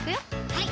はい